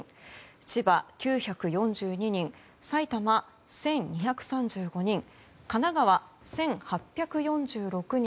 千葉、９４２人埼玉、１２３５人神奈川、１８４６人